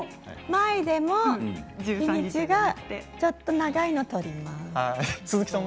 前でも日にちがちょっと長いのを取ります。